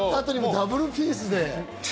ダブルピースで。